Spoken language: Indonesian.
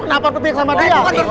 kenapa berpihak sama dia